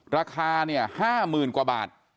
ราคาเนี่ย๕๐๐๐กว่าบาท